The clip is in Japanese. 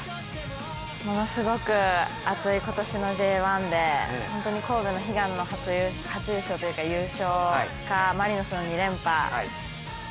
ものすごく熱い今年のＪ１で本当に神戸の、悲願の初優勝かマリノスの２連覇。